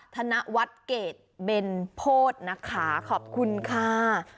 ธนวเกษเบนโภสนะคะขอบคุณค่ะ